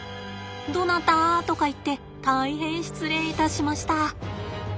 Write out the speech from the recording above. どなたとか言って大変失礼いたしました。